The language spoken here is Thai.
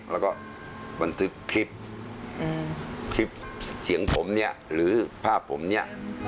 แล้วก็บันทึกคลิปคลิปเสียงผมเนี่ยหรือภาพผมเนี่ย